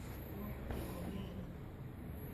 Wangu tek omera